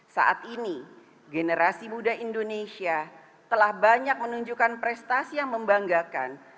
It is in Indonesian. saat ini generasi muda indonesia telah banyak menunjukkan prestasi yang membanggakan